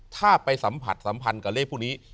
ถ้าไปสัมผัสสัมพันธ์กับเลขพวกนี้